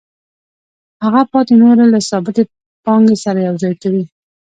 هغه پاتې نوره له ثابتې پانګې سره یوځای کوي